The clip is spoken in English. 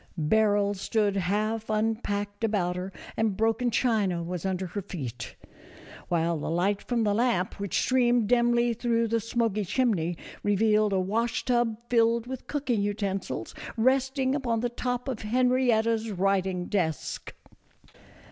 Barrels stood half unpacked about her, and broken china was under her feet, while the light from the lamp, which streamed dimly through the smoky chimney, revealed a wash tub filled with cooking utensils resting upon the top of Henrietta's writing desk.